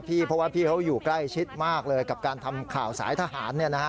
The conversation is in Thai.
เพราะว่าพี่เขาอยู่ใกล้ชิดมากเลยกับการทำข่าวสายทหาร